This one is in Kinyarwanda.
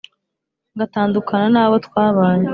Ngatandukana nabo twabanye